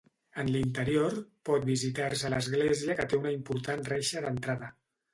En l'interior pot visitar-se l'església que té una important reixa d'entrada.